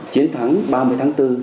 chiến thắng ba mươi tháng bốn